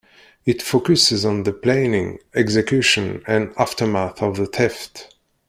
It focuses on the planning, execution, and aftermath of a theft.